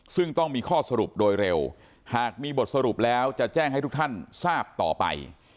ซึ่งต้องมีข้อสรุปโดยเร็วหากมีบทสรุปแล้วจะแจ้งให้ทุกท่านทราบต่อไป